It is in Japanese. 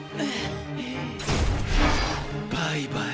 バイバイ。